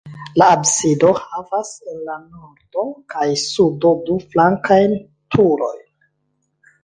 La absido havas en la nordo kaj sudo du flankajn turojn.